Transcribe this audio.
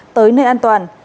tới nơi an toàn